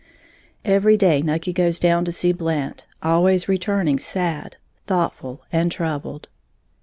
Every day Nucky goes down to see Blant, always returning sad, thoughtful and troubled.